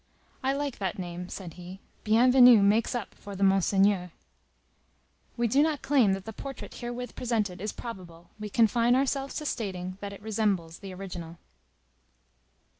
"I like that name," said he. "Bienvenu makes up for the Monseigneur." We do not claim that the portrait herewith presented is probable; we confine ourselves to stating that it resembles the original.